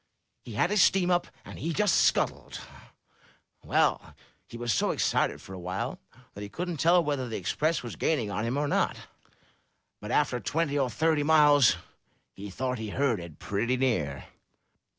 He had his steam up, and he just scuttled. ''Well, he was so excited for a while that he couldn't tell whether the Express was gaining on him or not; but after twenty or thirty miles, he thought he heard 346 UP ONE PAIR OF STAIRS it pretty near.